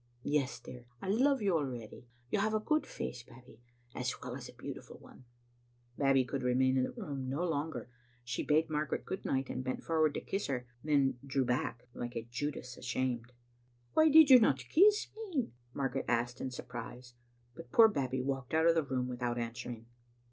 "Yes, dear, I love you already. You have a good face, Babbie, as well as a beautiful one." Babbie could remain in the room no longer. She bade Margaret good night and bent forward to kiss her; then drew back, like a Judas ashamed. " Why did you not kiss me?" Margaret asked in sur prise, but poor Babbie walked out of the room without answering.